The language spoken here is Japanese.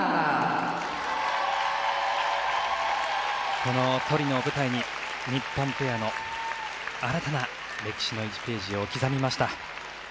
このトリノを舞台に日本ペアの新たな歴史の１ページを刻みました。